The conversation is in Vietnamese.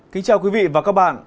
xin chào quý vị và các bạn